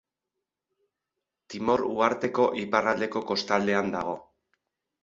Timor uharteko iparraldeko kostaldean dago.